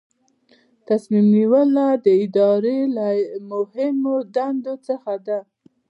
تصمیم نیونه د ادارې له مهمو دندو څخه ده.